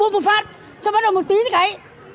bốn phút phát cho bắt đầu một tí cái